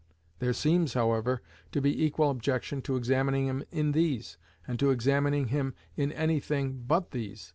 There seems, however, to be equal objection to examining him in these, and to examining him in any thing but these.